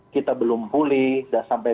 kita belum pulih dan sampai